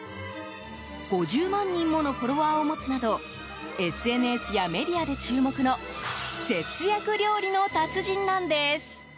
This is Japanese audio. ５０万人ものフォロワーを持つなどＳＮＳやメディアで注目の節約料理の達人なんです。